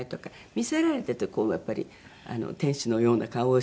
『魅せられて』ってこうやっぱり天使のような顔をして。